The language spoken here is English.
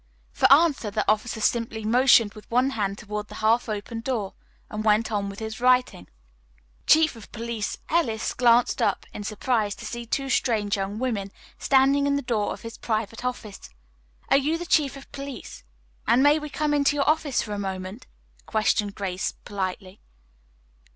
For answer the officer simply motioned with one hand toward the half open door and went on with his writing. Chief of Police Ellis glanced up in surprise to see two strange young women standing in the door of his private office. "Are you the Chief of Police, and may we come into your office for a moment?" questioned Grace politely.